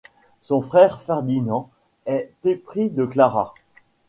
Son frère Ferdinand est épris de Clara.